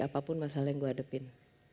apapun masalah yang gue hadapin